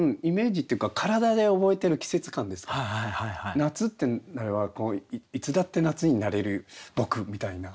夏ってなればいつだって夏になれる僕みたいな。